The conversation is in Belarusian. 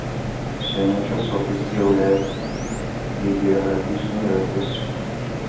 Сёння часопіс з'яўляецца бібліяграфічнай рэдкасцю.